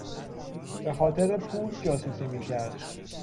به خاطر پول جاسوسی میکرد.